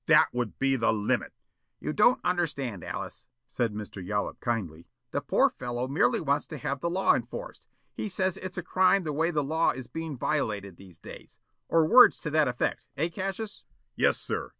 "That would be the LIMIT!" "You don't understand, Alice," said Mr. Yollop kindly. "The poor fellow merely wants to have the law enforced. He says it's a crime the way the law is being violated these days. Or words to that effect, eh, Cassius?" "Yes, sir.